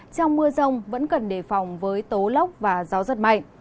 trong mưa rông vẫn cần đề phòng với tố lốc và gió giật mạnh